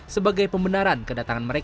sebagai pembenaran kedatangan mereka